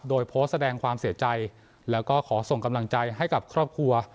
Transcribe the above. โดยโพสต์แสดงความเสียใจแล้วก็ขอส่งกำลังใจให้กับครอบครัว